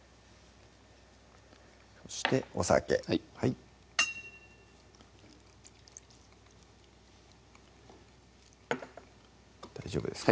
そしてお酒はい大丈夫ですか？